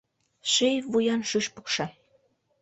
Ший вуян шӱшпыкшӧ